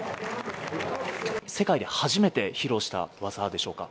世界で初めて披露した技でしょうか？